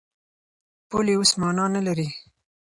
پولې اوس مانا نه لري.